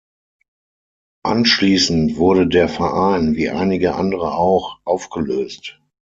Anschließend wurde der Verein, wie einige andere auch, aufgelöst.